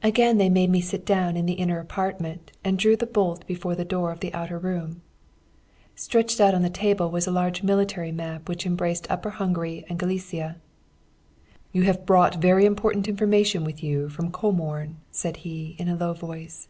"Again they made me sit down in the inner apartment, and drew the bolt before the door of the outer room. "Stretched out on the table was a large military map which embraced Upper Hungary and Galicia. 'You have brought very important information with you from Comorn,' said he, in a low voice.